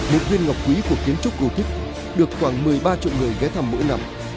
một viên ngọc quý của kiến trúc gô thích được khoảng một mươi ba triệu người ghé thăm mỗi năm